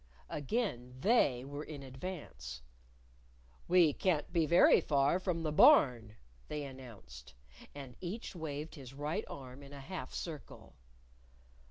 Again They were in advance. "We can't be very far from the Barn," They announced. And each waved his right arm in a half circle.